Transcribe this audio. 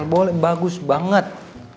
boleh bagus banget